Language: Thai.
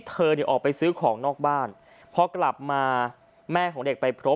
เธอเนี่ยออกไปซื้อของนอกบ้านพอกลับมาแม่ของเด็กไปพบ